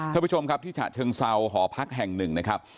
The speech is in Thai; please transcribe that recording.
ท่านผู้ชมครับที่ฉะเชิงเซาหอพักแห่งหนึ่งนะครับ